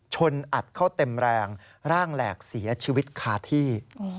ชนอัดเข้าเต็มแรงร่างแหลกเสียชีวิตคาที่